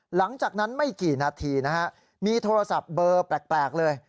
หลังจากนั้นไม่กี่นาทีนะฮะมีโทรศัพท์เบอร์แปลกเลย